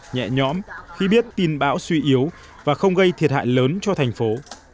nhẹ nhõm khi biết tin bão suy yếu và không gây thiệt hại lớn cho thành phố